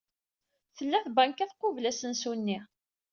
Tella tbanka tqubel asensu-nni.